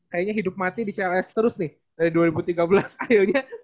kayaknya hidup mati di crs terus nih dari dua ribu tiga belas ayonya